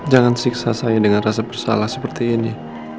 jangan siksa saya dengan rasa bersalah seperti ini